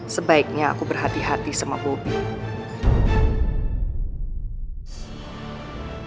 sebaiknya aku berhati hati sama bobi